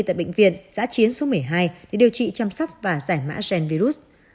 tại bệnh viện giã chiến số một mươi hai để điều trị chăm sóc và giải mã gen virus